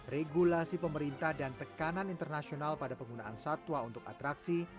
regulasi pemerintah dan tekanan internasional pada penggunaan satwa untuk atraksi